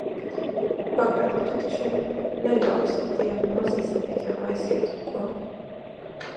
Pagaidi, tu taču neļausi tiem noziedzniekiem aiziet, ko?